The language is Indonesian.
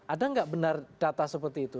ada nggak benar data seperti itu